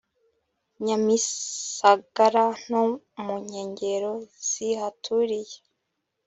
nyamisagara no munkengero zihaturiye